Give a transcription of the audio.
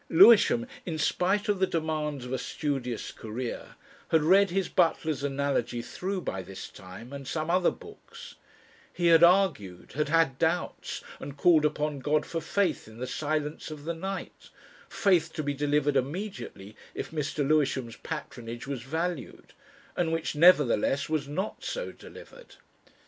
Lewisham, in spite of the demands of a studious career, had read his Butler's Analogy through by this time, and some other books; he had argued, had had doubts, and called upon God for "Faith" in the silence of the night "Faith" to be delivered immediately if Mr. Lewisham's patronage was valued, and which nevertheless was not so delivered....